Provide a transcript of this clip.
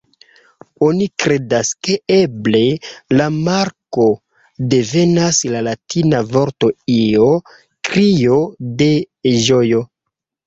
Oni kredas, ke eble la marko devenas la latina vorto "io", krio de ĝojo.